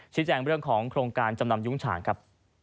แจ้งเรื่องของโครงการจำนำยุ้งฉางครับ